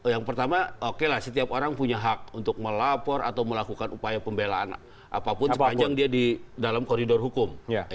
yang pertama oke lah setiap orang punya hak untuk melapor atau melakukan upaya pembelaan apapun sepanjang dia di dalam koridor hukum